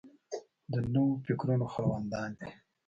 د نویو فکرونو خاوندان دي.